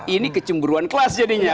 ini kecemburan kelas jadinya